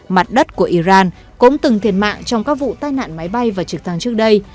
mặt đất của iran cũng từng thiệt mạng trong các vụ tai nạn máy bay và trực thăng trước đây